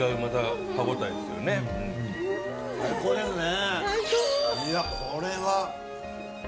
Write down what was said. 最高ですね。